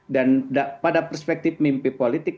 dan pada perspektif mimpi politik